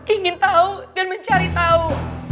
ingin tau dan mencari tau